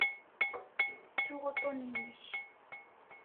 Ttuɣ uṭṭun-inek.